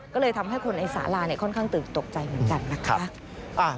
ก็เลยทำให้คนในสาราค่อนข้างตื่นตกใจเหมือนกันนะคะ